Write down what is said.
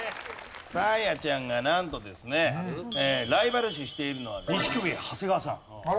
サーヤちゃんがなんとですねライバル視しているのは錦鯉長谷川さん。